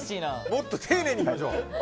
もっと丁寧にいきましょう。